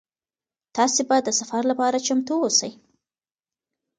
تاسي باید د سفر لپاره چمتو اوسئ.